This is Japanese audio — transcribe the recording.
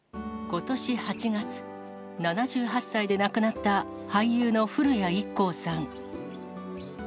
ことし８月、７８歳で亡くなった俳優の古谷一行さん。